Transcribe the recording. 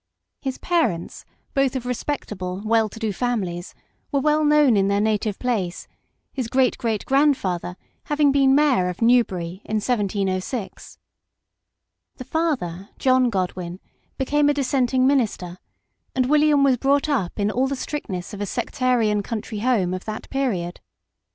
His parents, both of respectable well to do families, were well known in their native place, his great great grandfather having been Mayor of New bury in 1706. The father, John Godwin, became a dissenting minister, and William was brought up in all the strictness of a sectarian country home of that period.